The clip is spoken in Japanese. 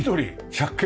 借景？